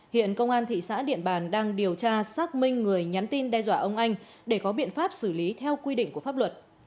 hiện công an thị xã điện bàn đang điều tra xác minh người nhắn tin đe dọa ông anh để có biện pháp xử lý theo quy định của pháp luật